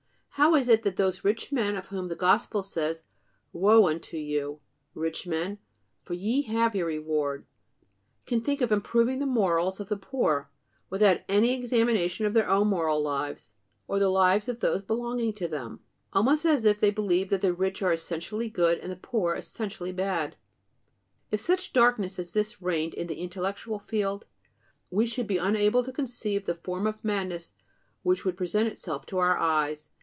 How is it that those rich men of whom the gospel says "Woe unto you, rich men, for ye have your reward," can think of "improving the morals" of the poor, without any examination of their own moral lives or the lives of those belonging to them? almost as if they believed that the rich are essentially good and the poor essentially bad. If such darkness as this reigned in the intellectual field, we should be unable to conceive the form of madness which would present itself to our eyes.